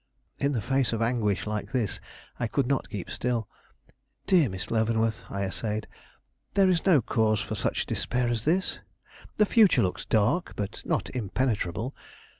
In the face of anguish like this, I could not keep still. "Dear Miss Leavenworth," I essayed, "there is no cause for such despair as this. The future looks dark, but not impenetrable.